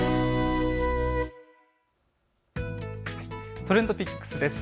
ＴｒｅｎｄＰｉｃｋｓです。